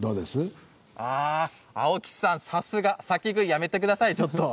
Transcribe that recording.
青木さん、さすが先食いやめてください。